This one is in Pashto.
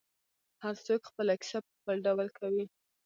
هر څوک خپله کیسه په خپل ډول کوي.